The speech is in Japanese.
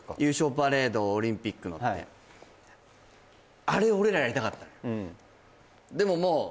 パレードオリンピックのってあれ俺らやりたかったのよ